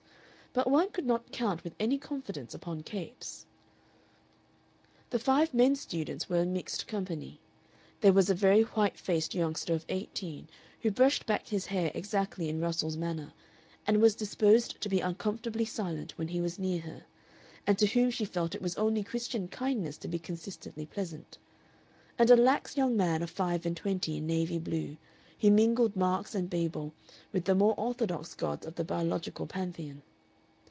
But one could not count with any confidence upon Capes. The five men students were a mixed company. There was a very white faced youngster of eighteen who brushed back his hair exactly in Russell's manner, and was disposed to be uncomfortably silent when he was near her, and to whom she felt it was only Christian kindness to be consistently pleasant; and a lax young man of five and twenty in navy blue, who mingled Marx and Bebel with the more orthodox gods of the biological pantheon.